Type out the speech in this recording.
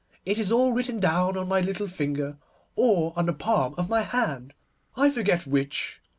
It is all written down on my little finger, or on the palm of my hand, I forget which.